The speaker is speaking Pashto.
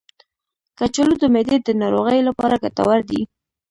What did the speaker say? کچالو د معدې د ناروغیو لپاره ګټور دی.